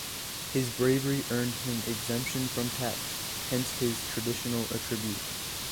His bravery earned him exemption from tax, hence his traditional attribute.